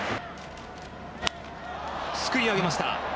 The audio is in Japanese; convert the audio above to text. すくい上げました。